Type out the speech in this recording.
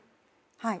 はい。